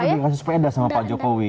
saya dikasih sepeda sama pak jokowi